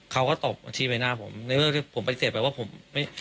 เขาก็ตบที่ใบหน้าผมในเวลาที่ผมไปเสร็จไปว่าผมไม่